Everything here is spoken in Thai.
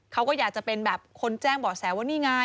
เขาก็อยากจะเป็นแบบคนแจ้งเบาะแสว่านี่ไง